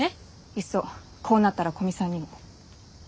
いっそこうなったら古見さんにも。